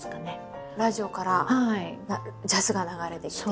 ラジオからジャズが流れてきて。